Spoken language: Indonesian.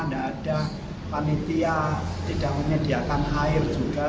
tidak ada panitia tidak menyediakan air juga